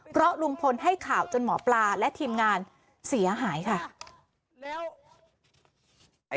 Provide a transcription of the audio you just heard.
เพราะลุงพลให้ข่าวจนหมอปลาและทีมงานเสียหายค่ะ